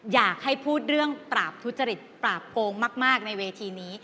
อยากให้พูดเรื่องปราบทุจริตปราบโกงมากในเวทีนี้